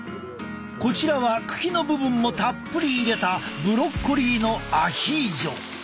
こちらは茎の部分もたっぷり入れたブロッコリーのアヒージョ。